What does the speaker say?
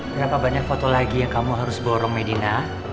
berapa banyak foto lagi yang kamu harus borong medina